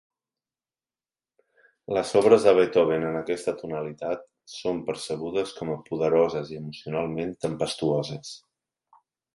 Les obres de Beethoven en aquesta tonalitat són percebudes com a poderoses i emocionalment tempestuoses.